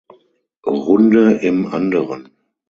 Runde im anderen.